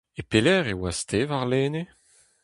E pelec'h e oas-te warlene ?